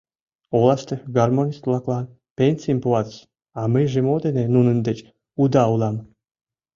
— Олаште гармонист-влаклан пенсийым пуатыс, а мыйже мо дене нунын деч уда улам?